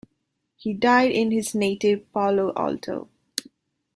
He died in his native Palo Alto.